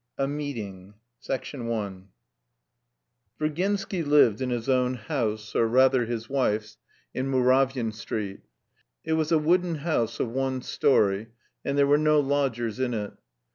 A MEETING I VIRGINSKY LIVED IN HIS OWN house, or rather his wife's, in Muravyin Street. It was a wooden house of one story, and there were no lodgers in it.